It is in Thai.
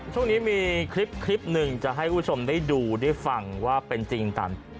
ช่วงนี้มีคลิปนึงจะให้ผู้ชมได้ดูด้วยฟังว่าเป็นจริงต่างที